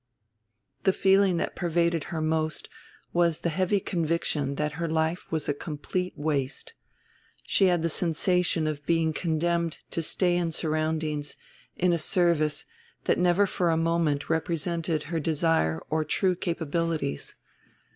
The feeling that pervaded her most was the heavy conviction that her life was a complete waste, she had the sensation of being condemned to stay in surroundings, in a service, that never for a moment represented her desire or true capabilities.